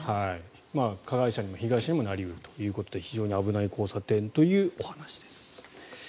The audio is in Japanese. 加害者にも被害者にもなり得るということで非常に危ない交差点というお話です。